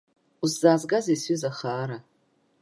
Усзаазгазеи сҩыза хаара?